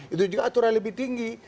itu juga aturan lebih tinggi